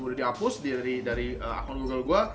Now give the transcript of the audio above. udah dihapus dari akun google gue